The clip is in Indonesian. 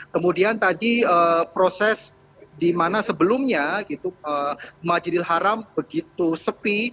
kemudian tadi proses di mana sebelumnya majidil haram begitu sepi